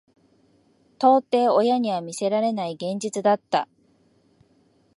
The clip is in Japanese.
到底親には見せられない現実だった。